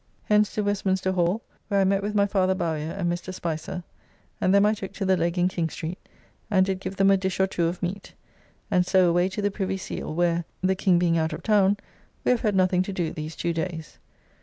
Hence to Westminster Hall, where I met with my father Bowyer, and Mr. Spicer, and them I took to the Leg in King Street, and did give them a dish or two of meat, and so away to the Privy Seal, where, the King being out of town, we have had nothing to do these two days.